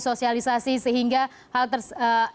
sosialisasi sehingga hal tersebut